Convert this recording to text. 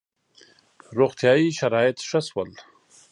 • روغتیايي شرایط ښه شول.